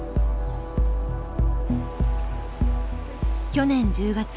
去年１０月。